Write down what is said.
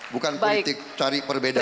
bukan politik cari perbedaan